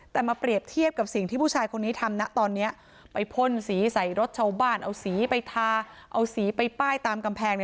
แต่มาเปรียบเทียบกับสิ่งที่ผู้ชายคนนี้ทำนะตอนนี้ไปพ่นสีใส่รถชาวบ้านเอาสีไปทาเอาสีไปป้ายตามกำแพง